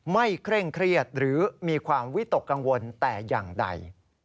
เคร่งเครียดหรือมีความวิตกกังวลแต่อย่างใด